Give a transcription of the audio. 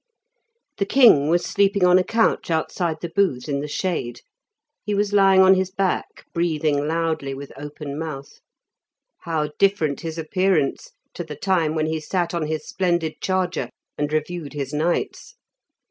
The king was sleeping on a couch outside the booth in the shade; he was lying on his back breathing loudly with open mouth. How different his appearance to the time when he sat on his splendid charger and reviewed his knights!